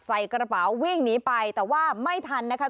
ใส่กระเป๋าวิ่งหนีไปแต่ว่าไม่ทันนะคะ